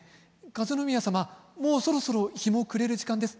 和宮さまもうそろそろ日も暮れる時間です。